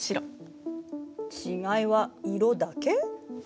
違いは色だけ？